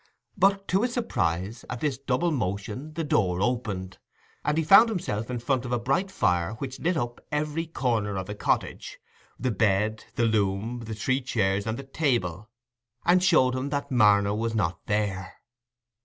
But, to his surprise, at this double motion the door opened, and he found himself in front of a bright fire which lit up every corner of the cottage—the bed, the loom, the three chairs, and the table—and showed him that Marner was not there.